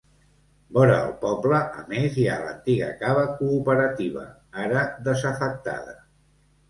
Vora el poble, a més, hi ha l'antiga Cava cooperativa, ara desafectada.